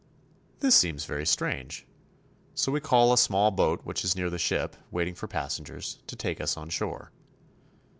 This seems very strange. So we call a small boat which is near the ship, waiting for passengers, to take us on shore.